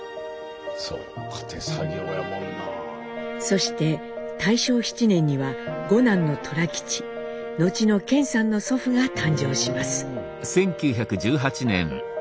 そして大正７年には５男の寅吉後の顕さんの祖父が誕生します。